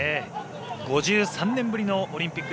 ５３年ぶりのオリンピック。